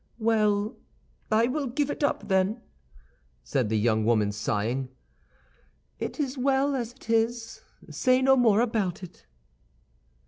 "Well, I will give it up, then," said the young woman, sighing. "It is well as it is; say no more about it."